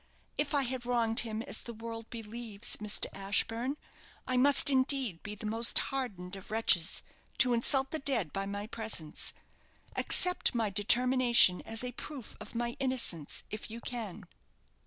If I had wronged him as the world believes, Mr. Ashburne, I must, indeed, be the most hardened of wretches to insult the dead by my presence. Accept my determination as a proof of my innocence, if you can."